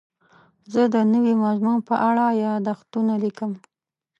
زه د نوي مضمون په اړه یادښتونه لیکم.